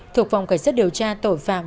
thuộc phòng cảnh sát điều tra tội phạm